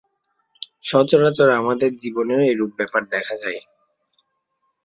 সচরাচর আমাদের জীবনেও এইরূপ ব্যাপার দেখা যায়।